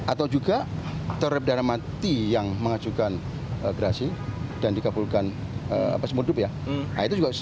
atau juga terhadap berdana mati yang mengajukan gerasi dan dikabulkan semudup ya